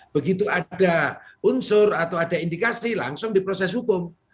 begitu ada unsur atau ada indikasi langsung diproses hukum